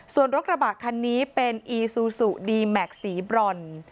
ส่วนรถกระบะคันนี้เป็นอีซูซูดีแม็กซ์สีบรอน